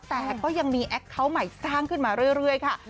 แต่ก็ยังมีแอคเคาน์ใหม่สร้างขึ้นมาเรื่อยค่ะ